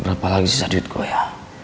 berapa lagi sisa duit gua ya